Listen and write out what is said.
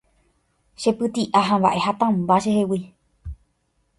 che pyti'a ha mba'e hatãmba chehegui